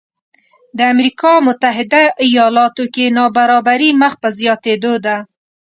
د امریکا متحده ایالاتو کې نابرابري مخ په زیاتېدو ده